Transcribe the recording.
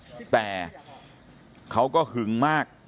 ตรของหอพักที่อยู่ในเหตุการณ์เมื่อวานนี้ตอนค่ำบอกให้ช่วยเรียกตำรวจให้หน่อย